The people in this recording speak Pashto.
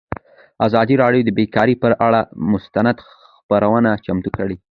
ازادي راډیو د بیکاري پر اړه مستند خپرونه چمتو کړې.